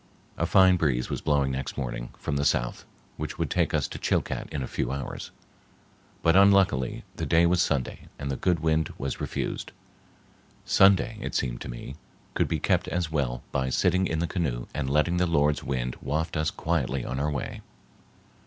A fine breeze was blowing next morning from the south, which would take us to Chilcat in a few hours, but unluckily the day was Sunday and the good wind was refused. Sunday, it seemed to me, could be kept as well by sitting in the canoe and letting the Lord's wind waft us quietly on our way.